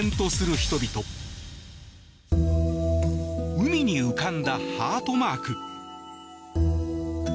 海に浮かんだハートマーク。